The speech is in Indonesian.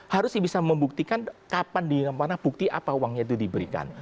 harus bisa membuktikan kapan dimana bukti apa uangnya itu diberikan